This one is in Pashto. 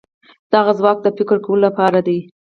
دغه ځواک د فکر کولو لپاره دی.